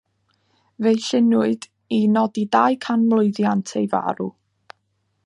Fe'i lluniwyd i nodi deucanmlwyddiant ei farw.